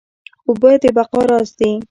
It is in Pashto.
اوبه د بقا راز دي